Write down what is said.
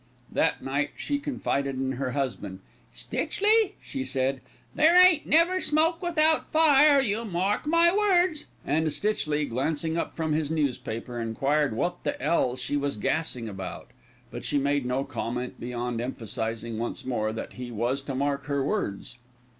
That night she confided in her husband. "Stitchley," she said, "there ain't never smoke without fire, you mark my words," and Stitchley, glancing up from his newspaper, enquired what the 'ell she was gassing about; but she made no comment beyond emphasising, once more, that he was to mark her words.